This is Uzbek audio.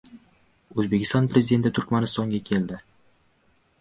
O‘zbekiston Prezidenti Turkmanistonga keldi